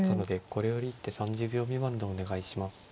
これより一手３０秒未満でお願いします。